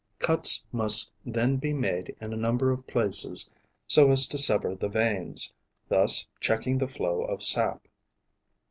Cuts must then be made in a number of places so as to sever the veins, thus checking the flow of sap.